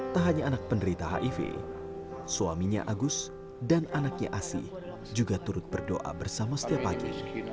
tak hanya anak penderita hiv suaminya agus dan anaknya asih juga turut berdoa bersama setiap pagi